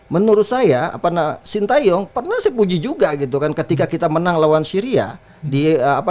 menurut saya apa nah sintayong pernah sepuji juga gitu kan ketika kita menang lawan syria di apa